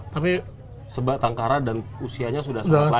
tapi sebatangkara dan usianya sudah selanjut